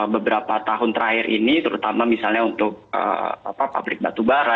beberapa tahun terakhir ini terutama misalnya untuk pabrik batubara